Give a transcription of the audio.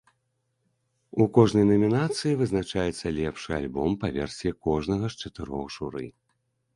У кожнай намінацыі вызначаецца лепшы альбом па версіі кожнага з чатырох журы.